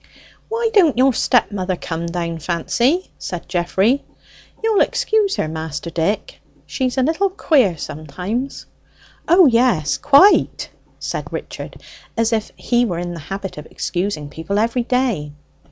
"Why don't your stap mother come down, Fancy?" said Geoffrey. "You'll excuse her, Mister Dick, she's a little queer sometimes." "O yes, quite," said Richard, as if he were in the habit of excusing people every day.